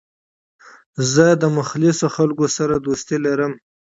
زه له مخلصو خلکو سره دوستي لرم.